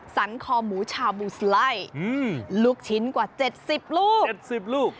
สันคอหมูชาบูสไล่ลูกชิ้นกว่า๗๐ลูก๗๐ลูก